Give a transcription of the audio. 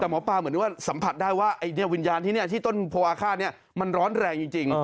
แต่หมอปลาเหมือนว่าสัมผัสได้ว่าวิญญาณที่นี่ที่ต้นโพอาฆาตมันร้อนแรงจริง